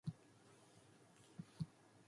Jeffery was born in Ipswich.